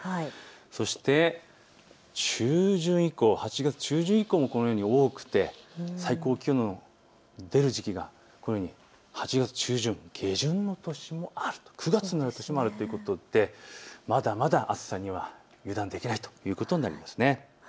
そして８月中旬以降もこのように多く最高気温の出る時期が８月中旬、下旬の年もあるという９月の年もあるということでまだまだ暑さには油断できないということになります。